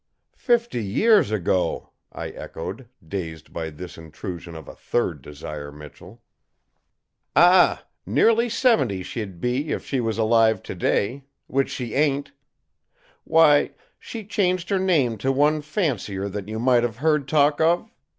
"Fifty years ago!" I echoed, dazed by this intrusion of a third Desire Michell. "Ah! Nearly seventy she'd be if she was alive today; which she ain't. Why, she changed her name to one fancier that you might have heard talk of?